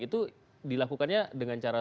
itu dilakukannya dengan cara